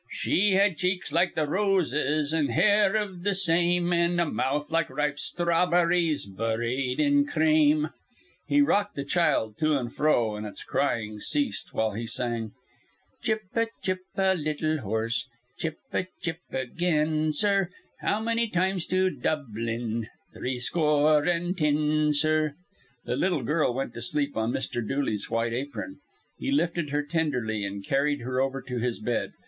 She had cheeks like th' roses, an' hair iv th' same, An' a mouth like ripe sthrawburries burrid in crame. He rocked the child to and fro, and its crying ceased while he sang: Chip, chip, a little horse; Chip, chip, again, sir. How manny miles to Dublin? Threescure an' tin, sir. The little girl went to sleep on Mr. Dooley's white apron. He lifted her tenderly, and carried her over to his bed.